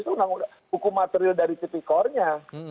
itu hukum materil dari tipikornya